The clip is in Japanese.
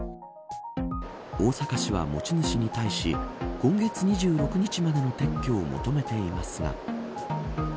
大阪市は、持ち主に対し今月２６日までの撤去を求めていますが。